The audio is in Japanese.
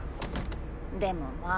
でもまあ。